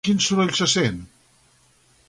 Quin soroll se sent?